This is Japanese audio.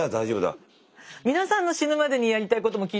皆さんの死ぬまでにやりたいことも聞いてみたいわね。